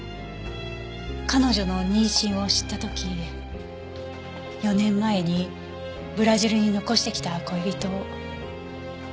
彼女の妊娠を知った時４年前にブラジルに残してきた恋人を。